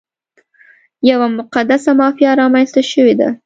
یوه مقدسه مافیا رامنځته شوې ده.